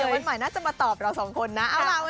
เดี๋ยววันใหม่น่าจะมาตอบเรา๒คนนะ